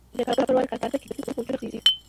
د کابل پروان کارته کې قیمتي کوچونه خرڅېږي.